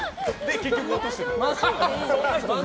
結局、落としてた。